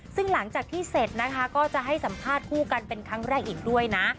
ซึ่งหลังจากที่เสร็จนะคะก็จะให้สัมภาษณ์คู่กันเป็นครั้งแรกอีกด้วยนะ